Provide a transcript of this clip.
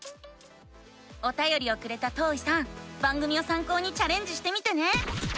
おたよりをくれたとういさん番組をさん考にチャレンジしてみてね！